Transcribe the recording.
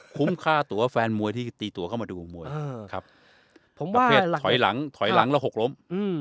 คุ้มค่าตัวแฟนมวยที่ตีตัวเข้ามาดูมวยครับประเภทถอยหลังแล้วหกล้ม